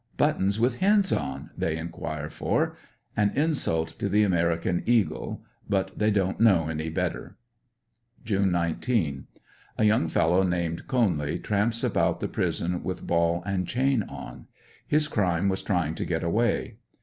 * 'Buttons with hens on," they enquire for. An insult to the American Eagle — but they don't know any better. June J 9 —A young fellow named Conely tramps around the pris on with ball and chain on. His crime was trying to get away.